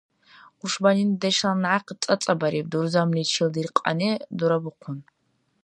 Уршбани дудешла някъ цӀацӀабариб, дурзамличил диркьани дурабухъун.